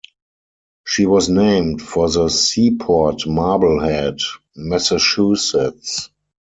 She was named for the seaport Marblehead, Massachusetts.